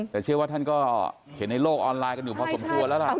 แต่เชื่อว่าท่านก็เขียนในโลกออนไลน์กันอยู่พอสมควรแล้วล่ะ